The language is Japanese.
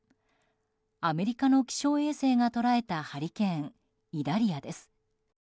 アメリカの気象衛星が捉えたハリケーン、イダリアです。